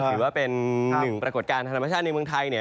ถือว่าเป็นหนึ่งปรากฏการณ์ธรรมชาติในเมืองไทยเนี่ย